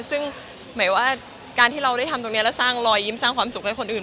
ซึ่งหมายว่าการที่เราได้ทำตรงนี้แล้วสร้างรอยยิ้มสร้างความสุขให้คนอื่น